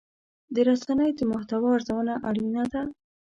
د رسنیو د محتوا ارزونه اړینه ده.